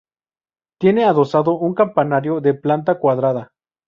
Tiene adosado un campanario de planta cuadrada.